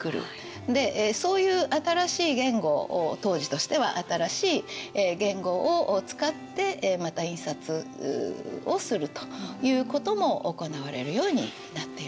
でそういう新しい言語を当時としては新しい言語を使ってまた印刷をするということも行われるようになっているんですね。